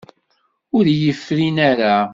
Ur iyi-frinen ara.